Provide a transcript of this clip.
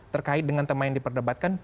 terkait dengan tema yang diperdebatkan